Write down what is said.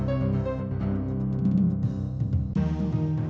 apa ini roti seribuan